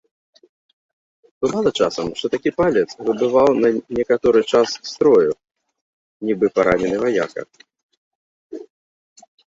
Бывала часам, што такі палец выбываў на некаторы час з строю, нібы паранены ваяка.